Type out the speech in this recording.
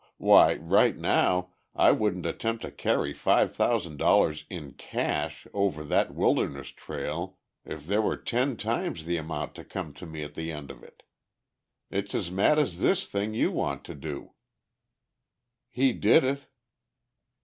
Why, right now I wouldn't attempt to carry five thousand dollars in cash over that wilderness trail if there were ten times the amount to come to me at the end of it! It's as mad as this thing you want to do." "He did it."